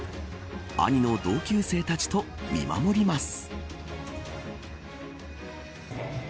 兄の同級生たちと見守ります。